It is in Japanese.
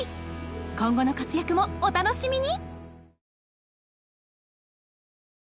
今後の活躍もお楽しみに！